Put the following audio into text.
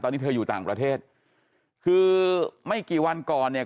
ตอนนี้เธออยู่ต่างประเทศคือไม่กี่วันก่อนเนี่ย